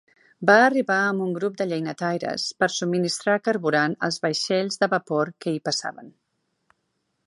Va arribar amb un grup de llenyataires per subministrar carburant als vaixells de vapor que hi passaven.